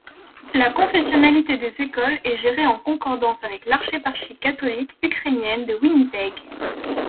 La confessionnalité des écoles est gérée en concordance avec l'archéparchie catholique ukrainienne de Winnipeg.